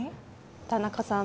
田中さん